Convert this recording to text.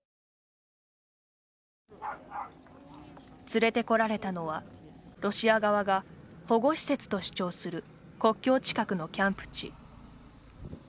連れてこられたのはロシア側が保護施設と主張する国境近くのキャンプ地。